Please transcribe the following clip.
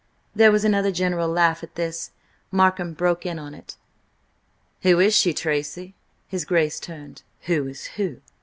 There was another general laugh at this. Markham broke in on it: "Who is she, Tracy?" His Grace turned. "Who is who?"